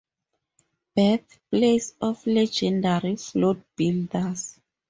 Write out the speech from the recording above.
Birthplace of legendary float builders.